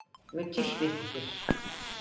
Müthiş bir fikir.